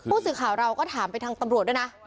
ผู้สื่อข่าวเราก็ถามไปทางตำรวจด้วยนะ